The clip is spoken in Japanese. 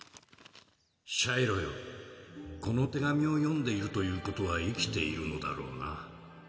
「シャイロよこの手紙を読んでいるということは生きているのだろうな。